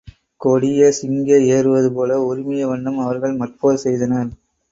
கொடிய சிங்க ஏறுபோல உறுமிய வண்ணம் அவர்கள் மற்போர் செய்தனர்.